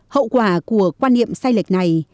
hậu quả của quan niệm sai lệch này